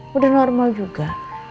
sudah normal juga